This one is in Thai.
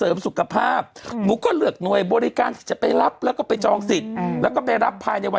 กินให้นมขึ้นเนื้อเขาเนี้ยเราไม่ต้องกินนมขึ้นลูกนะ